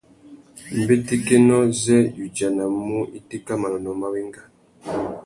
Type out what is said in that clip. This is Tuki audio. Mbétékénô zê udzanamú itéka manônōh má wenga.